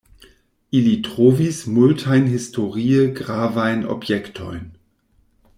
Ili trovis multajn historie gravajn objektojn.